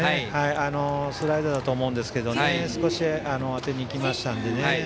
スライダーだと思うんですけど少し当てにいきましたのでね。